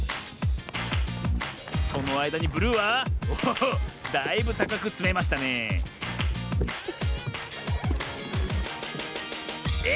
そのあいだにブルーはおおだいぶたかくつめましたねええ